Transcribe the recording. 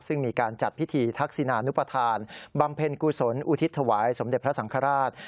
ซึ่งมีการจัดพิธีทักษินานุปทานบำเพ็ญกุศลอุทิศถวายสมเด็จพระสังฆราช